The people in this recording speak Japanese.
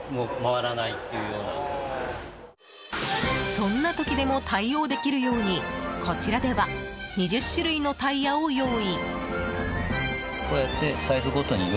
そんな時でも対応できるようにこちらでは２０種類のタイヤを用意。